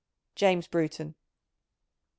" James Bruton.